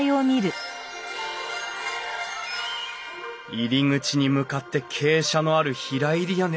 入り口に向かって傾斜のある平入り屋根。